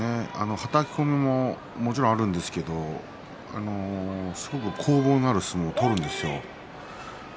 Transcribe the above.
はたき込みももちろん、あるんですけどすごくいい攻防のある相撲を取るんですよ。